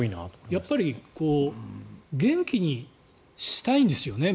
やっぱり元気にしたいんですよね